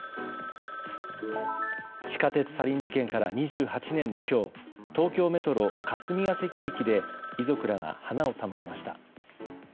地下鉄サリン事件から２８年の今日東京メトロ霞ケ関駅で遺族らが花を手向けました。